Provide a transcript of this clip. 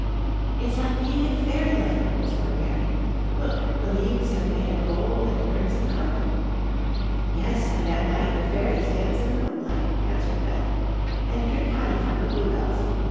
"It's like being in fairyland," whispered Mary. "Look, the leaves have made a gold and crimson carpet." "Yes, and at night the fairies dance in the moonlight," answered Beth, "and drink honey from the blue bells.